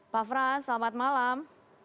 pak franz selamat malam